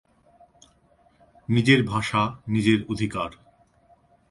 নিজের ভাষা নিজের অধিকার।